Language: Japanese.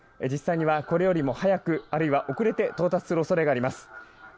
実際にはこれより早く、あるいは遅れて到達するおそれがあります。